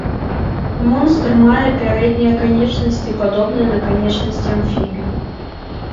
Монстр мае пярэднія канечнасці, падобныя на канечнасці амфібій.